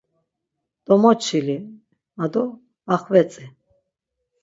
Domoçili, ma do baxvetzi.